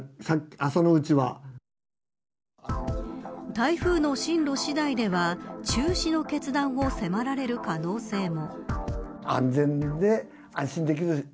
台風の進路次第では中止の決断を迫られる可能性も。